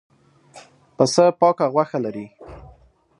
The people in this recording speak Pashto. پسه پاکه غوښه لري.